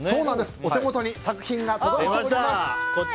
お手元に作品が届いております。